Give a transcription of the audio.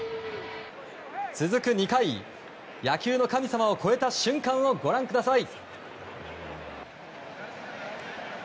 続く２回野球の神様を超えた瞬間をご覧ください。